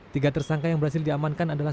tiga tersangka yang berhasil diamankan adalah